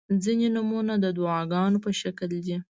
• ځینې نومونه د دعاګانو په شکل دي.